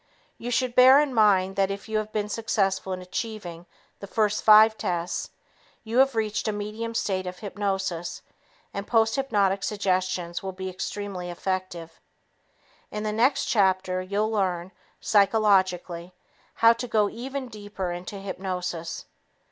You should bear in mind that if you have been successful in achieving the first five tests, you have reached a medium state of hypnosis, and posthypnotic suggestions will be extremely effective. In the next chapter, you'll learn, psychologically, how to go even deeper into hypnosis.